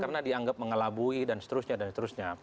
karena dianggap mengelabui dan seterusnya dan seterusnya